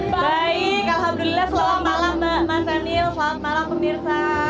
baik alhamdulillah selamat malam mbak mas emil selamat malam pemirsa